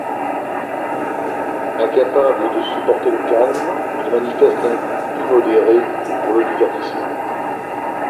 Incapable de supporter le calme, il manifeste un goût immodéré pour le divertissement.